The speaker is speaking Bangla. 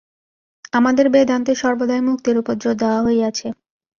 আমাদের বেদান্তে সর্বদাই মুক্তির উপর জোর দেওয়া হইয়াছে।